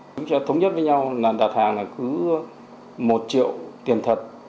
chúng ta thống nhất với nhau là đặt hàng là cứ một triệu tiền thật